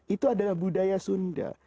itu adalah budaya sunda